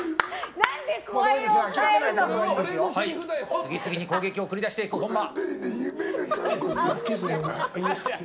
次々に攻撃を繰り出していく本間。